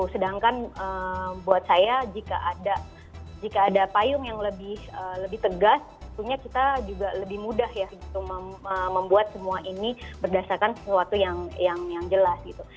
sedangkan buat saya jika ada payung yang lebih tegas kita juga lebih mudah ya gitu membuat semua ini berdasarkan sesuatu yang jelas gitu